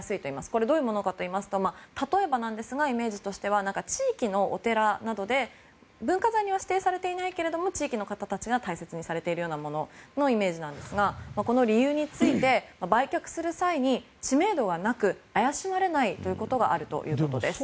これはどういうものかというと例えばなんですがイメージとしては地域のお寺などで、文化財には指定されていないけども地域の方たちが大切にされているようなものというイメージなんですがこの理由について売却する際に知名度がなく怪しまれないということがあるそうです。